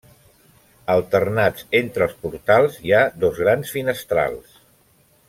Alternats entre els portals hi ha dos grans finestrals.